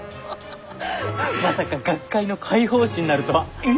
まさか学会の会報誌になるとは！